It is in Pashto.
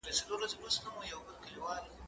که وخت وي موسيقي اورم